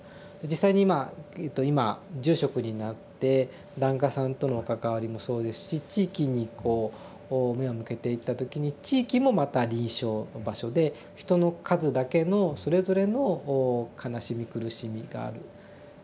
実際に今今住職になって檀家さんとの関わりもそうですし地域にこう目を向けていった時に地域もまた臨床場所で人の数だけのそれぞれの悲しみ苦しみがある。